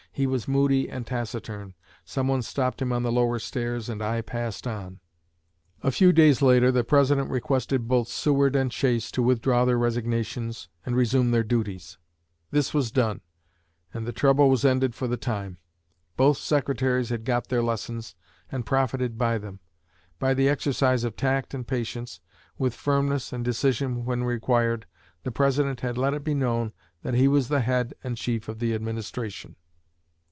He was moody and taciturn. Someone stopped him on the lower stairs, and I passed on." A few days later, the President requested both Seward and Chase to withdraw their resignations and resume their duties. This was done, and the trouble was ended for the time. Both Secretaries had got their lessons, and profited by them. By the exercise of tact and patience, with firmness and decision when required, the President had let it be known that he was the head and chief of the Administration.